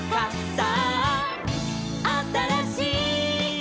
「さああたらしい」